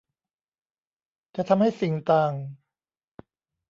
จะทำให้สิ่งต่าง